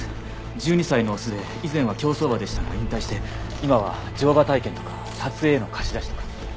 １２歳のオスで以前は競走馬でしたが引退して今は乗馬体験とか撮影への貸し出しとか。